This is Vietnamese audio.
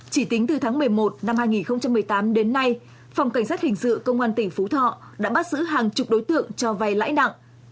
chỉ tính từ tháng một mươi một năm hai nghìn một mươi tám đến nay phòng cảnh sát hình sự công an tỉnh phú thọ đã bắt giữ hàng chục đối tượng cho vay lãi nặng